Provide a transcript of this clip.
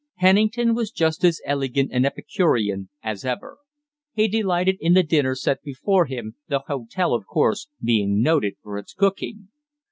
Pennington was just as elegant and epicurean as ever. He delighted in the dinner set before him, the hotel, of course, being noted for its cooking.